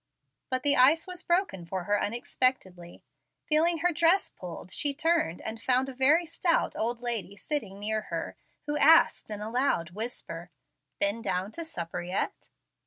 But the ice was broken for her unexpectedly. Feeling her dress pulled, she turned and found a very stout old lady sitting near her, who asked in a loud whisper, "Been down to supper yet?"